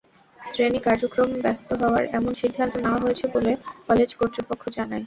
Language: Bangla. শ্রেণি কার্যক্রম ব্যাহত হওয়ায় এমন সিদ্ধান্ত নেওয়া হয়েছে বলে কলেজ কর্তৃপক্ষ জানায়।